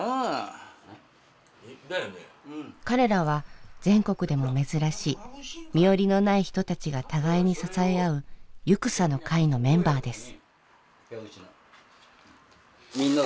彼らは全国でも珍しい身寄りのない人たちが互いに支え合う「ゆくさの会」のメンバーです。